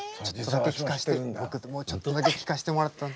僕もちょっとだけ聴かせてもらったの。